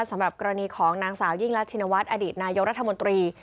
สำหรับกรณีของนางสาวยิ่งรักชินวัฒน์อดีตนายกรัฐมนตรี